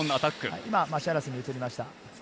マシアラスに移りました。